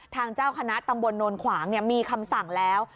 เจ้าคณะตำบลโนนขวางมีคำสั่งแล้ว